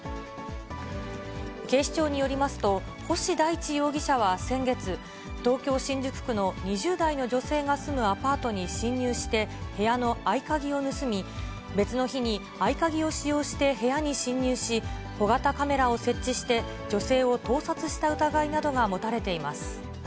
警視庁によりますと、星大地容疑者は先月、東京・新宿区の２０代の女性が住むアパートに侵入して、部屋の合鍵を盗み、別の日に、合鍵を使用して部屋に侵入し、小型カメラを設置して、女性を盗撮した疑いなどが持たれています。